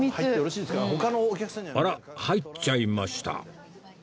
あら入っちゃいました